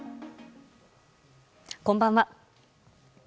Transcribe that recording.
こんばんは。